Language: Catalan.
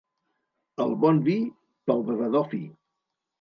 El bon vi pel bevedor fi.